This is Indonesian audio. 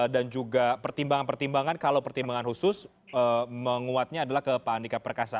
dan juga pertimbangan pertimbangan kalau pertimbangan khusus menguatnya adalah ke pak andika perkasa